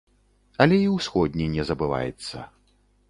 Але і ўсходні не забываецца.